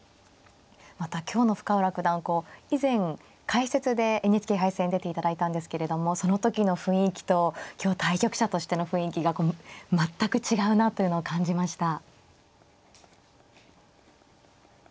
また今日の深浦九段こう以前解説でＮＨＫ杯戦出ていただいたんですけれどもその時の雰囲気と今日対局者としての雰囲気が全く違うなというのを感じました。